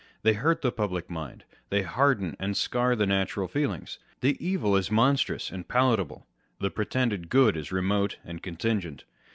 They hurt the public mind : they harden and sear the natural feelings. The evil is mon strous and palpable ; the pretended good is remote and contingent.